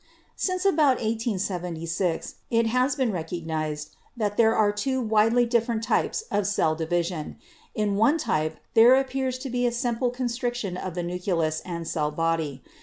Since about 1876 it has been recognised that there are two widely different types of cell division. In one type there appears to be a simple constriction of the nucleus and cell body.